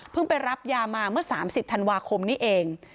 ไปรับยามาเมื่อ๓๐ธันวาคมนี้เอง